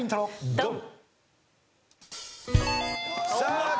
ドン！